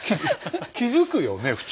気付くよね普通。